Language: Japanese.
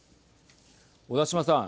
小田島さん。